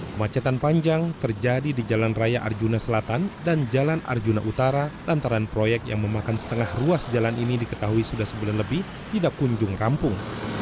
kemacetan panjang terjadi di jalan raya arjuna selatan dan jalan arjuna utara lantaran proyek yang memakan setengah ruas jalan ini diketahui sudah sebulan lebih tidak kunjung rampung